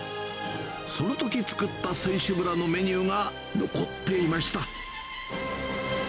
そのとき作った選手村のメニューが残っていました。